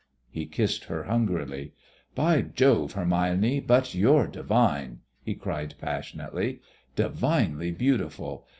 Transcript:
He kissed her hungrily. "By Jove, Hermione, but you're divine," he cried passionately, "divinely beautiful.